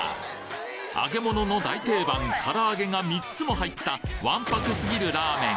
揚げ物の大定番から揚げが３つも入ったわんぱくすぎるラーメン。